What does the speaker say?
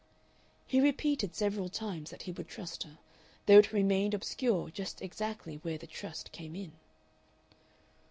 He repeated several times that he would trust her, though it remained obscure just exactly where the trust came in.